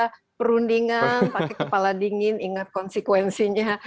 kita kembali ke meja perundingan pakai kepala dingin ingat konsekuensinya